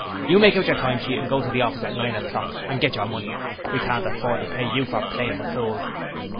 You make out yer time sheet, and go to the office at nine o'clock and git yer money; we can't afford to pay you for playing the fool.'